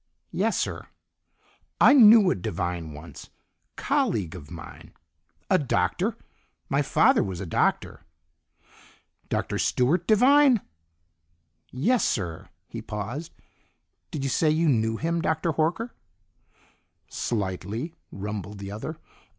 "Yes, sir." "I knew a Devine once. Colleague of mine." "A doctor? My father was a doctor." "Dr. Stuart Devine?" "Yes, sir." He paused. "Did you say you knew him, Dr. Horker?" "Slightly," rumbled the other.